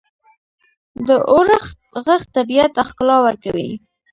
• د اورښت ږغ طبیعت ته ښکلا ورکوي.